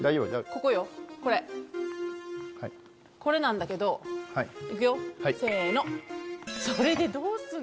ここよこれはいこれなんだけどはいいくよせーのそれでどうすんの？